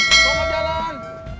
kamu mau jalan